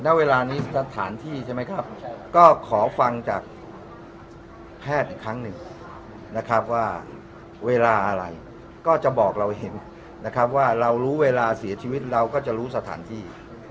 ณเวลานี้สถานที่ใช่ไหมครับก็ขอฟังจากแพทย์อีกครั้งหนึ่งนะครับว่าเวลาอะไรก็จะบอกเราเห็นนะครับว่าเรารู้เวลาเสียชีวิตเราก็จะรู้สถานที่